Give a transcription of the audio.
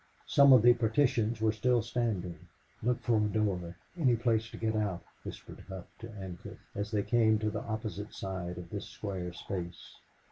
Some of the partitions were still standing. "Look for a door any place to get out," whispered Hough to Ancliffe, as they came to the opposite side of this square space.